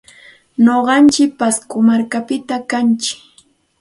Nuqantsik pasco markapitam kantsik.